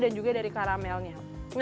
dan juga dari karamelnya